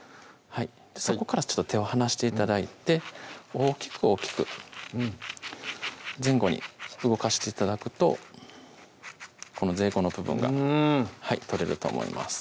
そこからちょっと手を離して頂いて大きく大きくうん前後に動かして頂くとこのぜいごの部分が取れると思います